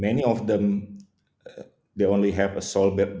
hanya memiliki pengembangan hidup